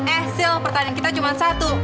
eh sisil pertanyaan kita cuma satu